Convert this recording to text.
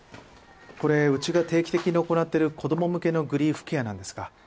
これうちが定期的に行ってる子ども向けのグリーフケアなんですが。